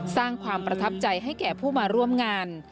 สร้างความประทับใจให้แก่ผู้มาร่วมงาน